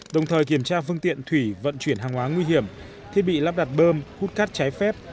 đồng thời kiểm tra phương tiện thủy vận chuyển hàng hóa nguy hiểm thiết bị lắp đặt bơm hút cát trái phép